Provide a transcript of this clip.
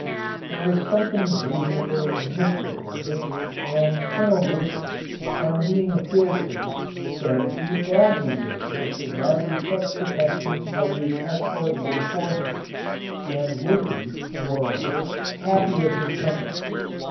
There was something reasonable in this proposal, and Colonel Mason, on being appealed to, said he would gladly give Mr. Bradley such protection as his escort would afford him, and would be, moreover, happy of his company.